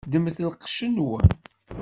Ddmet lqec-nwen.